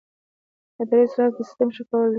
اداري اصلاحات د سیسټم ښه کول دي